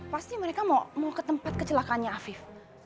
pasti mereka mau ke tempat kecelakaannya afif